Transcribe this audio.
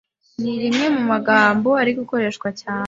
Ni irimwe mu magambo ari gukoreshwa cyane